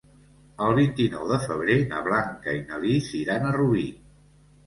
El vint-i-nou de febrer na Blanca i na Lis iran a Rubí.